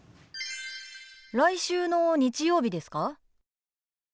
来週の日曜日ですか？